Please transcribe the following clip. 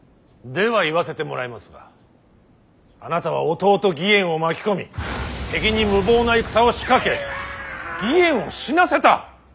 では言わせてもらいますがあなたは弟義円を巻き込み敵に無謀な戦を仕掛け義円を死なせた！